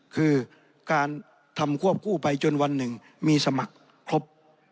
คือการทำควบคู่ไปจนวันหนึ่งมีสมัครครบ